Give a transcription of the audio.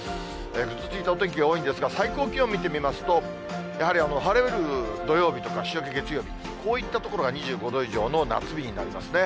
ぐずついたお天気が多いんですが、最高気温見てみますと、やはり晴れる土曜日とか、週明け月曜日、こういった所が２５度以上の夏日になりますね。